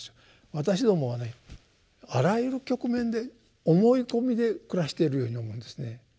私どもはねあらゆる局面で思い込みで暮らしているように思うんですね。